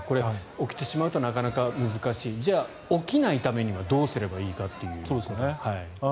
起きてしまうとなかなか難しいじゃあ、起きないためにはどうすればいいかという。